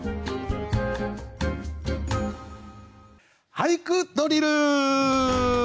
「俳句ドリル」！